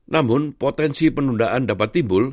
namun potensi penundaan dapat timbul